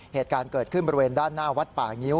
เหตุการณ์เกิดขึ้นบริเวณด้านหน้าวัดป่างิ้ว